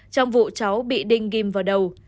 trong vụ cháu bị đinh ghim vào đầu